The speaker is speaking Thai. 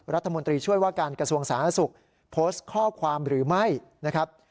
รัฐมนตรีช่วยว่าการกระทรวงสาธารณสุขโพสต์ข้อความหรือไม่นะครับ